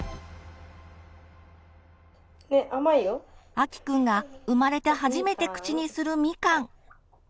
あきくんが生まれて初めて口にするみかん。